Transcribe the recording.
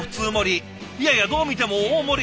いやいやどう見ても大盛り。